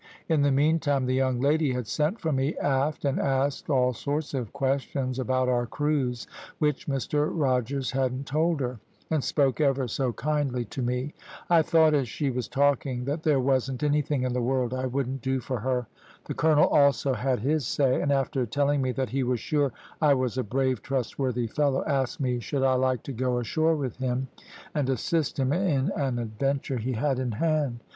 In the meantime, the young lady had sent for me aft, and asked all sorts of questions about our cruise, which Mr Rogers hadn't told her, and spoke ever so kindly to me. I thought as she was talking that there wasn't anything in the world I wouldn't do for her. The colonel also had his say, and after telling me that he was sure I was a brave, trustworthy fellow, asked me should I like to go ashore with him, and assist him in an adventure he had in hand.